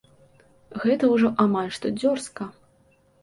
Гэта ўжо амаль што дзёрзка.